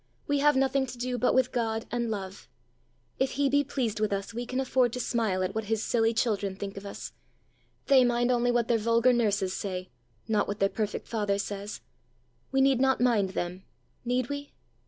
We have nothing to do but with God and love! If he be pleased with us, we can afford to smile at what his silly children think of us: they mind only what their vulgar nurses say, not what their perfect father says: we need not mind them need we?